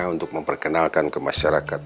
untuk memperkenalkan ke masyarakat